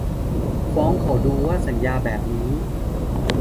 ฟ้องเขาดู ว่าสัญญาแบบนี้